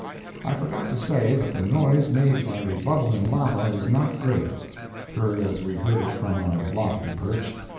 I forgot to say that the noise made by the bubbling lava is not great, heard as we heard it from our lofty perch.